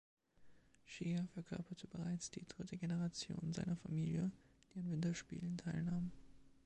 Shea verkörperte bereits die dritte Generation seiner Familie, die an Winterspielen teilnahm.